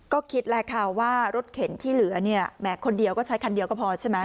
ก็คิดแหละค่ะว่ารถเข็นที่เหลือเนี่ยแหมคนเดียวก็ใช้คันเดียวก็พอใช่ไหม